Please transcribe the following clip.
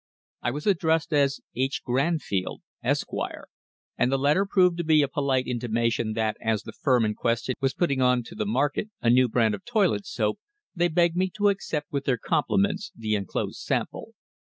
I was addressed as "H. Granfield, Esq.," and the letter proved to be a polite intimation that as the firm in question was putting on to the market a new brand of toilet soap, they begged me to accept with their compliments the enclosed sample.